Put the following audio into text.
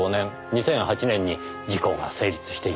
２００８年に時効が成立しています。